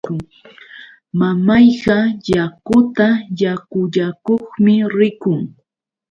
Mamayqa yakuta yakullakuqmi rikun.